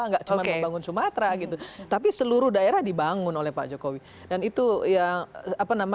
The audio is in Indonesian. enggak cuman membangun sumatera gitu tapi seluruh daerah dibangun oleh pak jokowi dan itu yang apa nama